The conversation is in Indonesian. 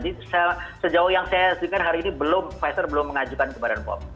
jadi sejauh yang saya sediakan hari ini pfizer belum mengajukan ke badan pom